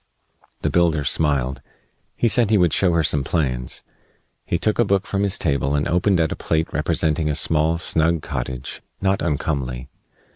The builder smiled. He said he would show her some plans. He took a book from his table and opened at a plate representing a small, snug cottage, not uncomely.